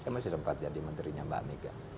saya masih sempat jadi menterinya mbak mega